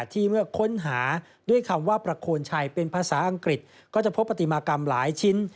เมื่อค้นหาด้วยคำว่าประโคนชัยเป็นภาษาอังกฤษก็จะพบปฏิมากรรมหลายชิ้น